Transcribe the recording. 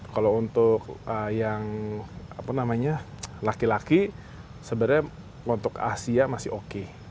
kalau untuk yang apa namanya laki laki sebenarnya untuk asia masih oke